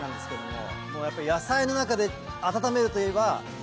もうやっぱり野菜の中で温めるといえば。